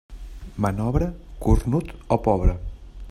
Manobre, cornut o pobre.